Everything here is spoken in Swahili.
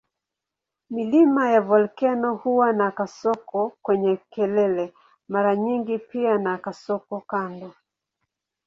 Milima ya volkeno huwa na kasoko kwenye kelele mara nyingi pia na kasoko kando.